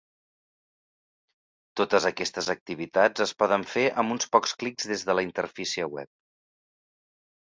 Totes aquestes activitats es poden fer amb uns pocs clics des de la interfície web.